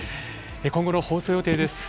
今後の放送予定です。